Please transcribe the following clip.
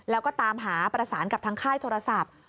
แล้วก็ตามหาประสานกับทางค่ายโทรศัพท์